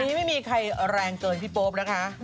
วันนี้ไม่มีใครแรงเกินพี่โป๊ปนะคะ